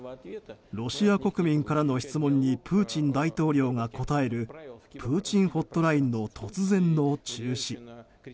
ロシア国民からの質問にプーチン大統領が答える「プーチン・ホットライン」の突然の中止。